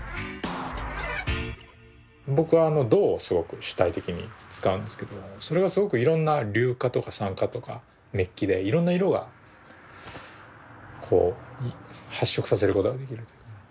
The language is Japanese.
僕は銅をすごく主体的に使うんですけどそれがすごくいろんな硫化とか酸化とかメッキでいろんな色がこう発色させることができるんですよね。